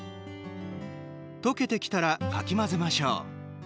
溶けてきたら、かき混ぜましょう。